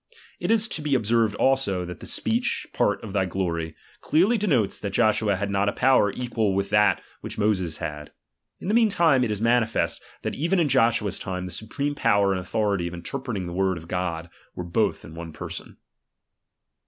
It is to be observed also, that that speech, part of'' thy glory, clearly denotes that Joshua had not a power equal with that which Moses had. In the meantime it is manifest, that even in Joshua's time the supreme power and authority of interpreting the word of God, were both in one person.